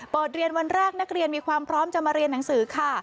เรียนวันแรกนักเรียนมีความพร้อมจะมาเรียนหนังสือค่ะ